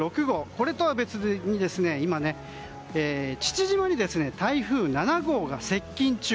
これとは別に今父島に台風７号が接近中。